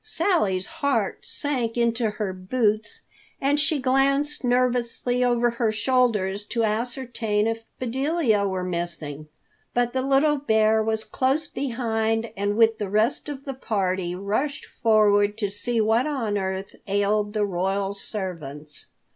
Sally's heart sank into her boots, and she glanced nervously over her shoulders to ascertain if Bedelia were missing. But the little bear was close behind and with the rest of the party rushed forward to see what on earth ailed the royal servants.